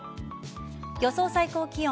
予想最高気温。